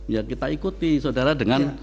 ya kita ikuti saudara dengan